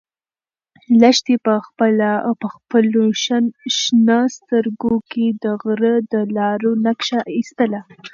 لښتې په خپلو شنه سترګو کې د غره د لارو نقشه ایستله.